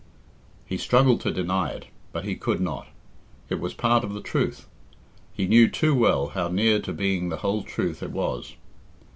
He struggled to deny it, but he could not. It was part of the truth. He knew too well how near to being the whole truth it was.